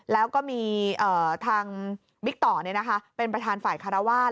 แล้วก็มีทางวิกต่อเนี่ยนะคะเป็นประธานฝ่ายคารวาส